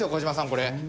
これ。